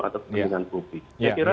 atau kepentingan publik